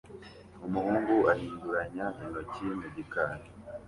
Umuhungu ahinduranya intoki mu gikari